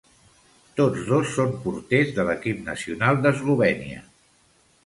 Tots dos són porters de l'equip nacional d'Eslovènia.